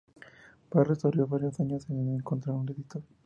Barnes tardó varios años en encontrar un editor.